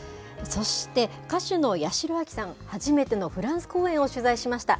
そして歌手の八代亜紀さん、初めてのフランス公演を取材しました。